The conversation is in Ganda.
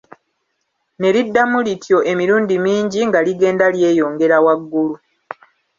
Ne liddamu lityo emirundi mingi nga ligenda lyeyongera waggulu.